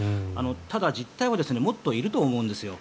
ただ、実態はもっといると思うんですよ。